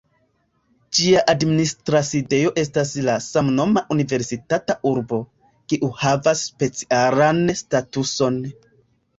Ĝia administra sidejo estas la samnoma universitata urbo, kiu havas specialan statuson.